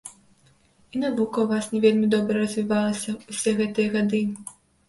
І навука ў вас не вельмі добра развівалася ўсе гэтыя гады.